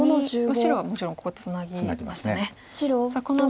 白はもちろんここツナぎましたね。